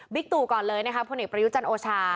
บิ๊กตู่ก่อนเลยนะคะพประยุจันโอชา